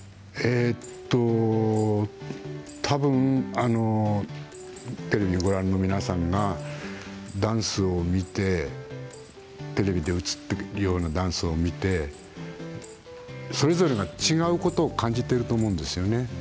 えーっと、たぶんテレビをご覧の皆さんがダンスを見てテレビで映っているようなダンスを見てそれぞれ違うことを感じていると思うんですよね。